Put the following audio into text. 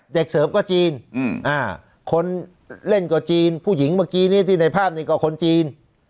เด็กเสิร์ฟก็จีนอืมอ่าคนเล่นก็จีนผู้หญิงเมื่อกี้นี้ในภาพนี้ก็คนจีน